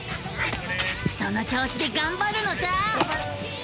その調子でがんばるのさ！